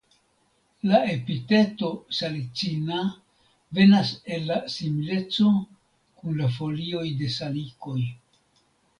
La epiteto "salicina" venas el la simileco kun la folioj de salikoj.